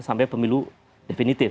sampai pemilu definitif